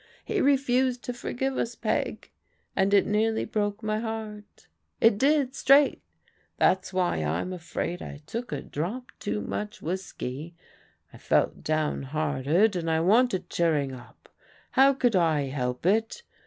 He refused to forgive us, Peg, and it nearly broke my heart. It did, straight. That's why I'm afraid I took a drop too much whiskey: I felt down hearted, and I wanted cheering up. How could I help it?